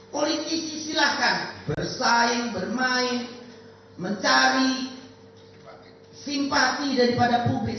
politisi silahkan bersaing bermain mencari simpati daripada publik